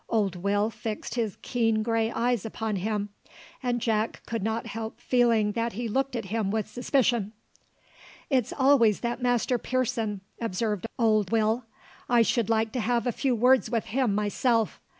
Old Will fixed his keen grey eyes upon him; and Jack could not help feeling that he looked at him with suspicion. "It's always that Master Pearson!" observed old Will; "I should like to have a few words with him myself.